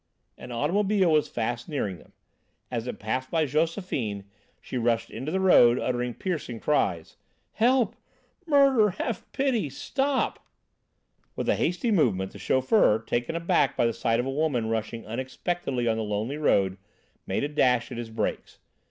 An automobile was fast nearing them. As it passed by Josephine, she rushed into the road, uttering piercing cries. "Help! Murder! Have pity! Stop!" With a hasty movement the chauffeur, taken aback by the sight of a woman rising unexpectedly on the lonely road, made a dash at his brakes.